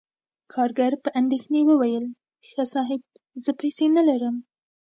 کارګر په اندیښنې وویل: "ښه، صاحب، زه پیسې نلرم..."